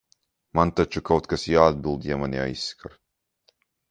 Man taču kaut kas jāatbild, ja mani aizskar!